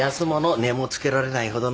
値も付けられないほどの。